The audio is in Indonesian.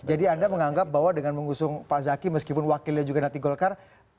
jadi anda menganggap bahwa dengan mengusung pak zaki meskipun wakilnya juga nati golkar